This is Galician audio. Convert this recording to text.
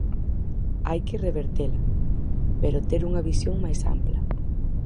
Hai que revertela, pero ter unha visión máis ampla.